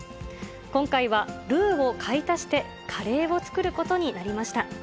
今回は、ルーを買い足してカレーを作ることになりました。